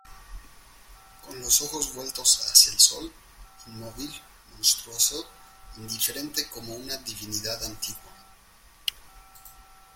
con los ojos vueltos hacia el sol, inmóvil , monstruoso , indiferente como una divinidad antigua.